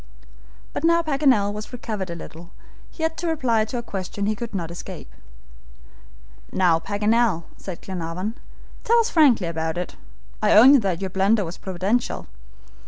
But now Paganel was recovered a little, he had to reply to a question he could not escape. "Now, Paganel," said Glenarvan, "tell us frankly all about it. I own that your blunder was providential.